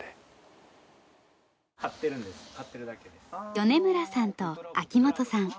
米村さんと秋元さん